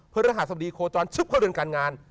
พระราหารสวัสดีโคจรชุบเค้าเรือนการงาน